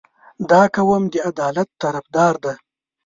• دا قوم د عدالت طرفدار دی.